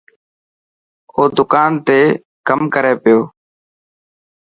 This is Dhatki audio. او دڪان تي ڪم ڪري پيو.